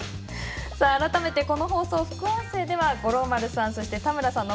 改めて、この放送の副音声では五郎丸さん、田村さんの